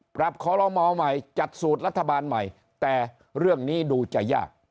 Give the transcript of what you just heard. ขอรมอลใหม่จัดสูตรรัฐบาลใหม่แต่เรื่องนี้ดูจะยาก